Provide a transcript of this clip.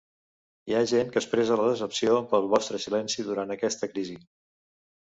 Hi ha gent que expressa la decepció pel vostre silenci durant aquesta crisi.